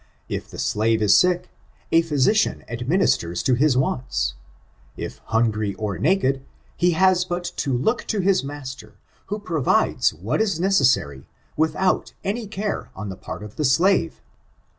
If the slave is sick, a physician administers to his wants ; if hungry or naked, he has but to look to his master who provides what is necessary with out any care on the part of the slave.